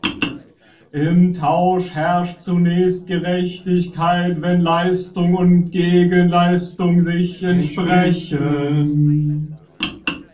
Im Tausch herrscht zunächst Gerechtigkeit, wenn Leistung und Gegenleistung sich entsprechen.